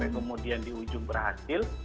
kemudian di ujung berhasil